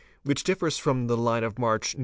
which differs from the line of march IT.